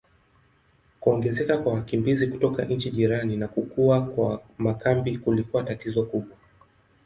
Kuongezeka kwa wakimbizi kutoka nchi jirani na kukua kwa makambi kulikuwa tatizo kubwa.